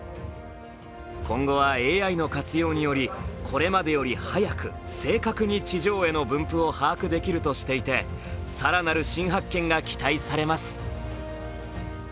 今後はＡＩの活用によりこれまでより早く正確に地上絵の分布を把握できるとしていて更なる新発見が期待されます。